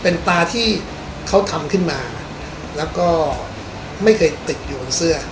เป็นตาที่เขาทำขึ้นมาแล้วก็ไม่เคยติดอยู่บนเสื้อ